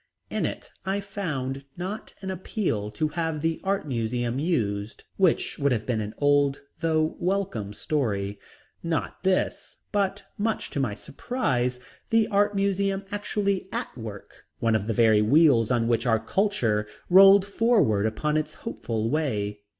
In it I found, not an appeal to have the art museum used which would have been an old though welcome story not this, but much to my surprise, the art museum actually at work, one of the very wheels on which our culture rolled forward upon its hopeful way.